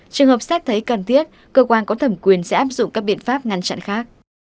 trường hợp xét thấy cần thiết cơ quan có thẩm quyền sẽ áp dụng các biện pháp ngăn chặn khác